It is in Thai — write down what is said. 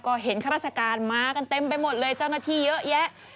ก็เห็นข้าราชการมากันเต็มไปหมดเลยเจ้าหน้าที่เยอะแยะ